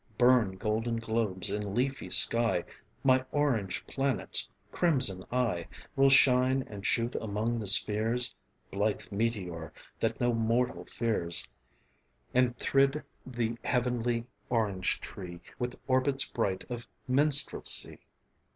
Burn, golden globes in leafy sky, My orange planets: crimson I Will shine and shoot among the spheres (Blithe meteor that no mortal fears) And thrid the heavenly orange tree With orbits bright of minstrelsy.